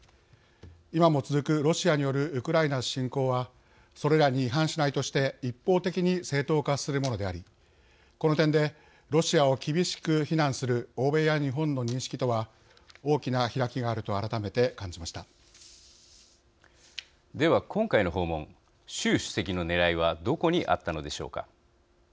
今も続くロシアによるウクライナ侵攻はそれらに違反しないとして一方的に正当化するものでありこの点でロシアを厳しく非難する欧米や日本の認識とは大きな開きがあるでは、今回の訪問習主席のねらいはどこにあったのでしょうか。